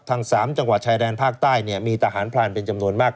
ทาง๓จังหวัดชายแดนภาคใต้มีตะหารพลาดเป็นจำนวนมาก